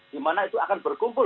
di mana itu akan berkumpul